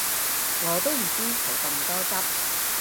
我都唔知佢咁多汁